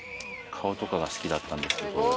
顔とかが好きだったんですけど。